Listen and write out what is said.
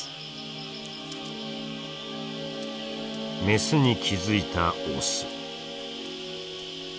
メスに気付いたオス。